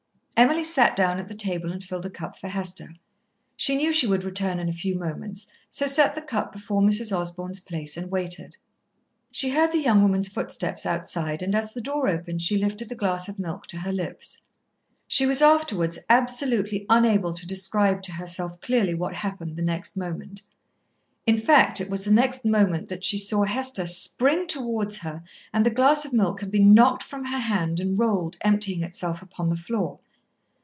Emily sat down at the table and filled a cup for Hester. She knew she would return in a few moments, so set the cup before Mrs. Osborn's place and waited. She heard the young woman's footsteps outside, and as the door opened she lifted the glass of milk to her lips. She was afterwards absolutely unable to describe to herself clearly what happened the next moment. In fact, it was the next moment that she saw Hester spring towards her, and the glass of milk had been knocked from her hand and rolled, emptying itself, upon the floor.